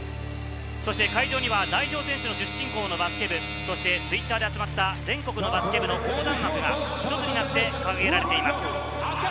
そして会場には代表選手の出身校のバスケ部、そしてＴｗｉｔｔｅｒで集まった、全国のバスケ部の横断幕が一つになって掲げられています。